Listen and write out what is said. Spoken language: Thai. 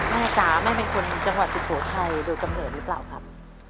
จ๋าแม่เป็นคนจังหวัดสุโขทัยโดยกำเนิดหรือเปล่าครับ